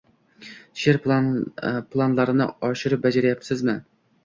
She’r planlarini oshirib bajarayapsizmi?